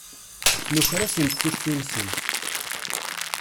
Nuker-asent tikti-nsent.